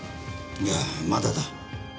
いやまだだ。